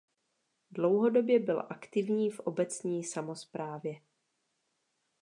Dlouhodobě byl aktivní v obecní samosprávě.